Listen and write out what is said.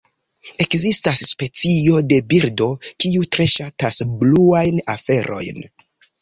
Ekzistas specio de birdo kiu tre ŝatas bluajn aferojn.